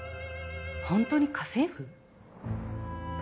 本当に家政婦？